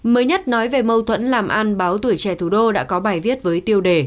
mới nhất nói về mâu thuẫn làm ăn báo tuổi trẻ thủ đô đã có bài viết với tiêu đề